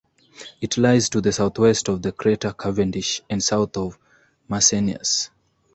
It lies to the southwest of the crater Cavendish and south of Mersenius.